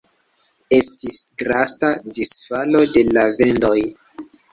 Estis drasta disfalo de la vendoj.